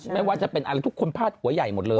ไม่ว่าจะเป็นอะไรทุกคนพาดหัวใหญ่หมดเลย